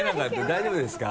大丈夫ですか？